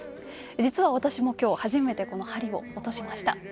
実は私もきょう、初めて針を落としました。